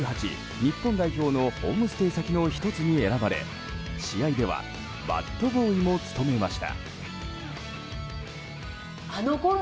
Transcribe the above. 日本代表のホームステイ先の１つに選ばれ試合ではバットボーイも務めました。